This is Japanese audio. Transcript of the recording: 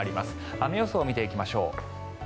雨予想を見ていきましょう。